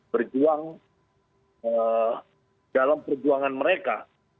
berjuang dalam perjuangan mereka